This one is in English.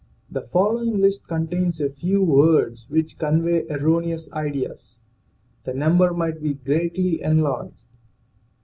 The following list contains a few words which convey erroneous ideas; the number might be greatly enlarged.